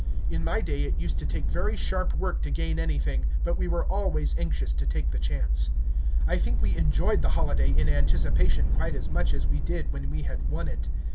In my day it used to take very sharp work to gain anything, but we were always anxious to take the chance. I think we enjoyed the holiday in anticipation quite as much as we did when we had won it.